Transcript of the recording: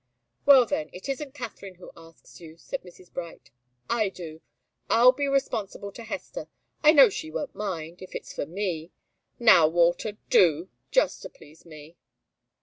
"Well then, it isn't Katharine who asks you," said Mrs. Bright. "I do. I'll be responsible to Hester. I know she won't mind, if it's for me. Now, Walter, do! Just to please me!"